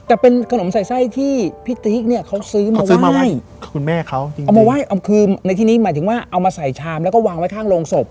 แต่เป็นขนมใส่ไส้ที่พี่ติ๊กเนี่ยเขาซื้อมาซื้อมาไหว้คุณแม่เขาจริงเอามาไหว้เอาคือในที่นี้หมายถึงว่าเอามาใส่ชามแล้วก็วางไว้ข้างโรงศพ